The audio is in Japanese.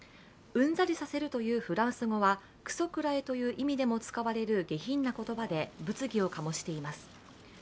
うんざりさせるというフランス語はくそくらえという意味でも使われる下品な言葉で物議を醸しています。